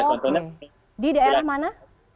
oh di daerah mana